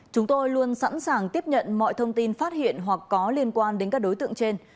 chúng tôi luôn sẵn sàng tiếp nhận mọi thông tin phát hiện hoặc có liên quan đến các đối tượng trên